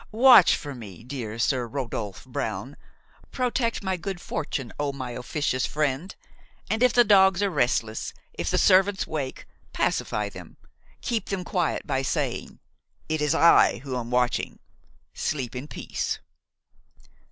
"Watch for me, dear Sir Rodolphe Brown; protect my good fortune, O my officious friend; and, if the dogs are restless, if the servants wake, pacify them, keep them quiet by saying: 'It is I who am watching, sleep in peace.'"